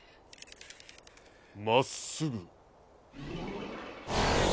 まっすぐ。